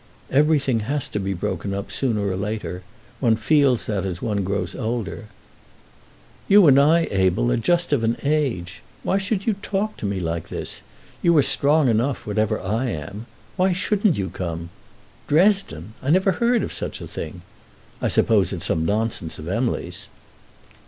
"Everything has to be broken up sooner or later. One feels that as one grows older." "You and I, Abel, are just of an age. Why should you talk to me like this? You are strong enough, whatever I am. Why shouldn't you come? Dresden! I never heard of such a thing. I suppose it's some nonsense of Emily's."